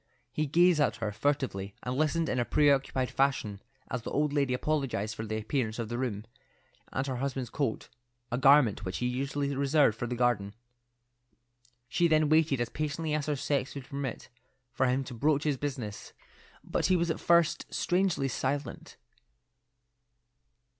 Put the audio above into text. He gazed at her furtively, and listened in a preoccupied fashion as the old lady apologized for the appearance of the room, and her husband's coat, a garment which he usually reserved for the garden. She then waited as patiently as her sex would permit, for him to broach his business, but he was at first strangely silent.